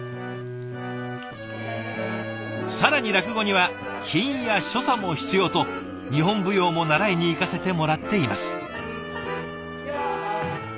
更に落語には品や所作も必要と日本舞踊も習いに行かせてもらっています。